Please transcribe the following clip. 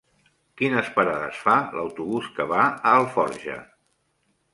Quines parades fa l'autobús que va a Alforja?